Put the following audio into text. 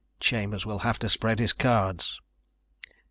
Chambers will have to spread his cards."